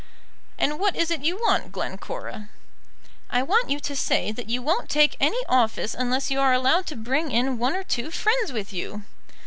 "And what is it you want, Glencora?" "I want you to say that you won't take any office unless you are allowed to bring in one or two friends with you."